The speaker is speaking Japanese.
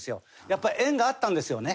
やっぱり縁があったんですよね。